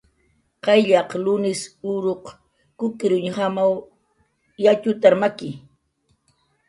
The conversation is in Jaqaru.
Qayllaq lunis uruq kukirñujamaw yatxutar maki